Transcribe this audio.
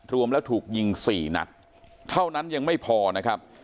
รวมแล้วถูกยิง๔นัดเท่านั้นยังไม่พอนะครับ